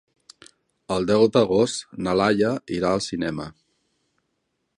El deu d'agost na Laia irà al cinema.